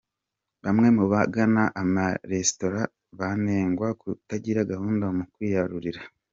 Bamwe mu bagana amaresitora banengwa kutagira gahunda mu kwiyarurira